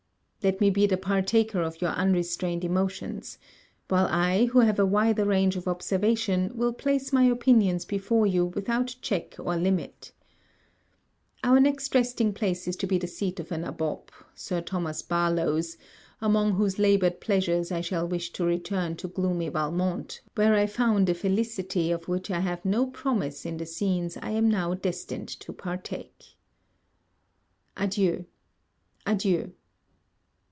Let me be the partaker of your unrestrained emotions; while I, who have a wider range of observation, will place my opinions before you without check or limit. Our next resting place is to be the seat of a nabob: Sir Thomas Barlowe's, amongst whose laboured pleasures I shall wish to return to gloomy Valmont, where I found a felicity of which I have no promise in the scenes I am now destined to partake. Adieu! adieu!